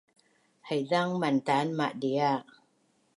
haizang mantan madia’